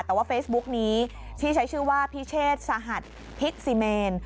แต่ว่าเฟซบุ๊กนี้ที่ใช้ชื่อว่าพิเชษสหัสพิษซีเมน